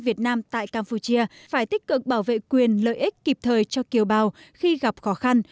việt nam tại campuchia phải tích cực bảo vệ quyền lợi ích kịp thời cho kiều bào khi gặp khó khăn